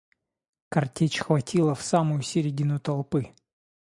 Картечь хватила в самую средину толпы.